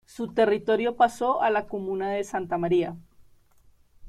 Su territorio pasó a la comuna de Santa María.